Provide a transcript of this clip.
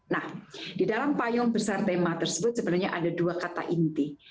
nah di dalam payung besar tema tersebut sebenarnya ada dua kata inti